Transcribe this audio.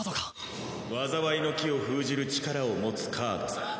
レオン：災いの樹を封じる力を持つカードさ。